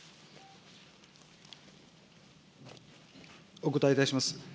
お答えいたします。